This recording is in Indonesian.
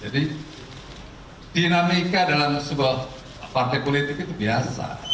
jadi dinamika dalam sebuah partai politik itu biasa